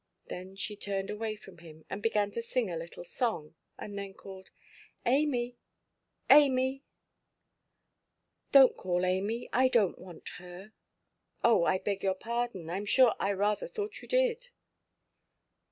Then she turned away from him, and began to sing a little song, and then called, "Amy, Amy!" "Donʼt call Amy. I donʼt want her." "Oh, I beg your pardon, Iʼm sure I rather thought you did."